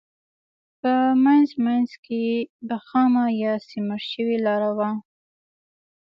په منځ منځ کې به خامه یا سمنټ شوې لاره وه.